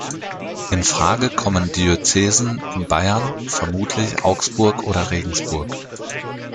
In Frage kommen Diözesen in Bayern, vermutlich Augsburg oder Regensburg.